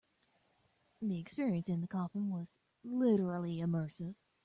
The experience in the coffin was literally immersive.